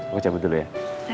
gue cabut dulu ya